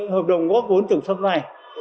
hợp đồng góp vốn trồng sâm này